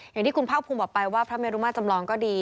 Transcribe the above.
อย่างที่คุณภาคภูมิบอกไปว่าพระเมรุมาจำลองก็ดี